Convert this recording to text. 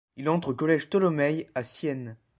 Il entre au Collège Tolomei à Sienne.